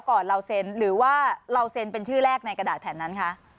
ก่อนเราเซ็นหรือว่าเราเซ็นเป็นชื่อแรกในกระดาษแผ่นนั้นคะ